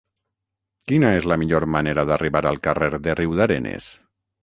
Quina és la millor manera d'arribar al carrer de Riudarenes?